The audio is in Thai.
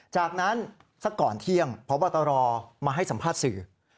จากนั้นสักก่อนเที่ยงพบตรมาให้สัมภาษณ์สื่อ